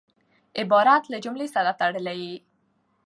عبارت له جملې سره تړلی يي.